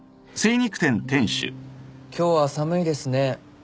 ・今日は寒いですね。